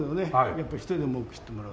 やっぱり一人でも多く知ってもらう。